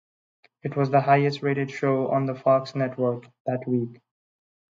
It was the highest rated show on the Fox Network that week.